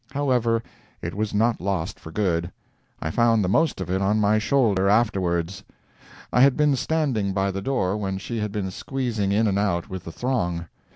However, it was not lost for good. I found the most of it on my shoulder afterwards. (I had been standing by the door when she had been squeezing in and out with the throng).